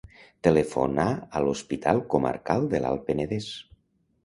Telefonar a l'Hospital Comarcal de l'Alt Penedès.